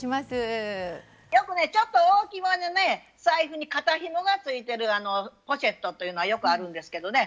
よくねちょっと大きめの財布に肩ひもがついてるポシェットというのはよくあるんですけどね